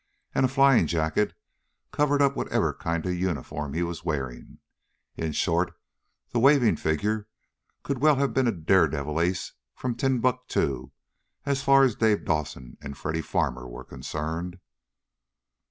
And a flying jacket covered up whatever kind of uniform he was wearing. In short, the waving figure could well have been a daredevil ace from Timbuktu as far as Dave Dawson and Freddy Farmer were concerned.